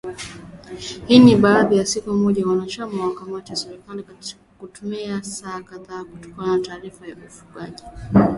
Hii ni baada ya siku moja wanachama wa kamati ya sheria kutumia saa kadhaa kutoa taarifa za ufunguzi